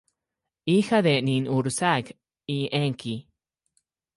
Hija de Ninhursag y Enki.